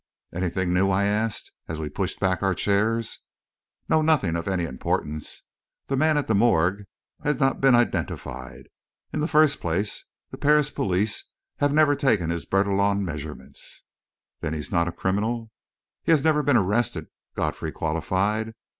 "Anything new?" I asked, as we pushed back our chairs. "No, nothing of any importance. The man at the morgue has not been identified. In the first place, the Paris police have never taken his Bertillon measurements." "Then he's not a criminal?" "He has never been arrested," Godfrey qualified.